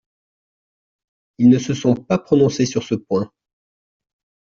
Ils ne se sont pas prononcés sur ce point.